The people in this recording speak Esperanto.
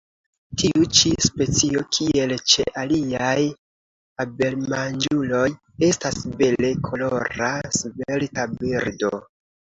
Tiu ĉi specio, kiel ĉe aliaj abelmanĝuloj, estas bele kolora, svelta birdo.